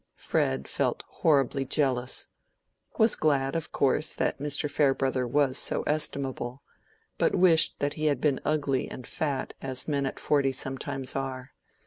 Fred felt horribly jealous—was glad, of course, that Mr. Farebrother was so estimable, but wished that he had been ugly and fat as men at forty sometimes are.